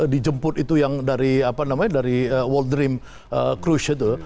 dijemput itu yang dari world dream cruise itu